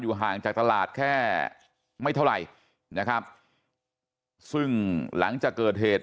ห่างจากตลาดแค่ไม่เท่าไหร่นะครับซึ่งหลังจากเกิดเหตุ